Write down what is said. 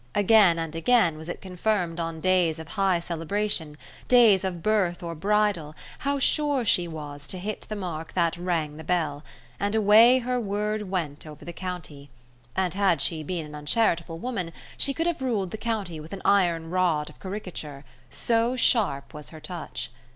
Again and again was it confirmed on days of high celebration, days of birth or bridal, how sure she was to hit the mark that rang the bell; and away her word went over the county: and had she been an uncharitable woman she could have ruled the county with an iron rod of caricature, so sharp was her touch.